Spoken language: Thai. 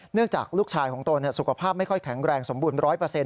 จากลูกชายของตนสุขภาพไม่ค่อยแข็งแรงสมบูรณ๑๐๐